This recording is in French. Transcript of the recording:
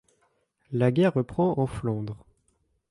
La guerre reprend en Flandres.